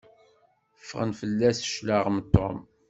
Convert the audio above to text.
Ffɣen fell-as cclaɣem Tom.